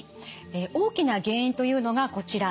大きな原因というのがこちら。